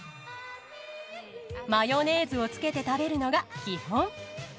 マヨネーズをつけて食べるのが基本。